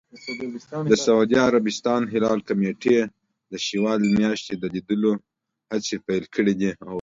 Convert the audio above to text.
د سعودي عربستان هلال کمېټې د شوال میاشتې لیدلو هڅې پیل کړې دي.